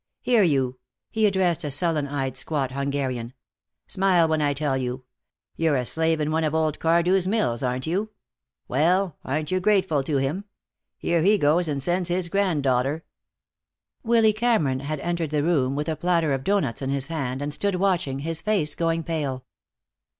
"Here, you," he addressed a sullen eyed squat Hungarian. "Smile when I tell you. You're a slave in one of old Cardew's mills, aren't you? Well, aren't you grateful to him? Here he goes and sends his granddaughter " Willy Cameron had entered the room with a platter of doughnuts in his hand, and stood watching, his face going pale.